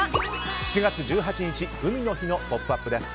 ７月１８日、海の日の「ポップＵＰ！」です。